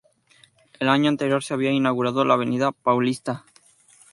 El año anterior se había inaugurado la Avenida Paulista.